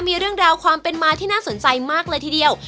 มีเรื่องราวความเป็นมาที่น่าสนใจมากเลยทีเดียว